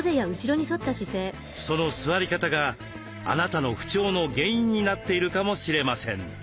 その座り方があなたの不調の原因になっているかもしれません。